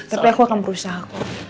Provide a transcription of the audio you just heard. tapi aku akan berusaha